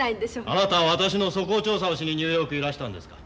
あなたは私の素行調査をしにニューヨークへいらしたんですか？